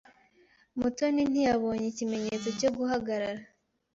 Mutoni ntiyabonye ikimenyetso cyo guhagarara.